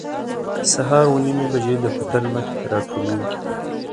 سهار اوه نیمې بجې د هوټل مخې ته راټولېږو.